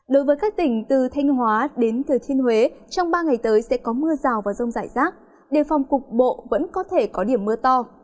đối với các tỉnh từ thanh hóa đến thừa thiên huế trong ba ngày tới sẽ có mưa rào và rông rải rác đề phòng cục bộ vẫn có thể có điểm mưa to